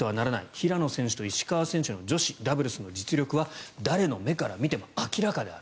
平野選手と石川選手の女子ダブルスの実力は誰の目から見ても明らかである。